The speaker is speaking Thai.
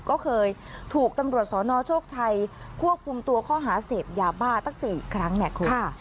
ก็เคยถูกตำรวจสนโชคชัยควบคุมตัวข้อหาเสพยาบ้าตั้ง๔ครั้งเนี่ยคุณ